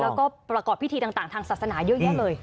แล้วก็ประกอบพิธีต่างทางศาสนาเยอะแยะเลย